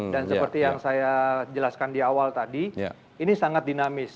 dan seperti yang saya jelaskan di awal tadi ini sangat dinamis